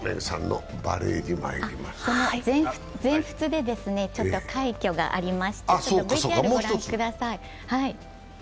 全仏で快挙がありまして、ＶＴＲご覧ください。